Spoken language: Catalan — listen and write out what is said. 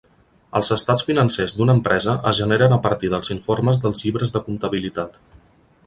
Els estats financers d'una empresa es generen a partir dels informes dels llibres de comptabilitat.